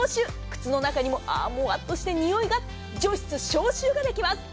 靴の中にももわっとした臭いが除湿・消臭ができます。